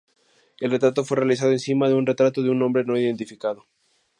El retrato fue realizado encima de un retrato de un hombre no identificado.